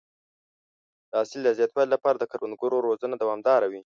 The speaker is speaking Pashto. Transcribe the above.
د حاصل د زیاتوالي لپاره د کروندګرو روزنه دوامداره وي.